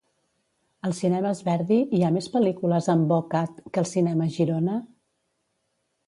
Als Cinemes Verdi hi ha més pel·lícules en VOCat que als Cinemes Girona?